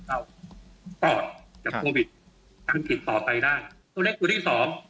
เราตอบกับโควิดตามติดต่อไปได้ตัวเลขตัวที่สอง